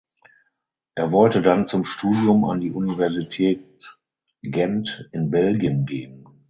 Er wollte dann zum Studium an die Universität Gent in Belgien gehen.